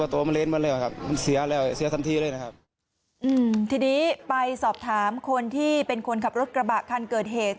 ทีนี้ไปสอบถามคนที่เป็นคนขับรถกระบะคันเกิดเหตุ